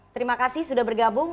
terima kasih sudah bergabung